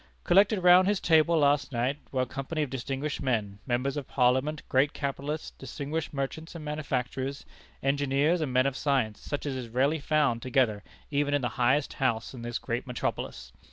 Collected round his table last night was a company of distinguished men members of Parliament, great capitalists, distinguished merchants and manufacturers, engineers and men of science, such as is rarely found together even in the highest house in this great metropolis.